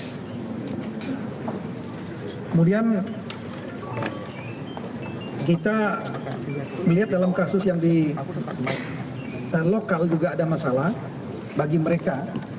kemudian kita melihat dalam kasus yang di lokal juga ada masalah bagi mereka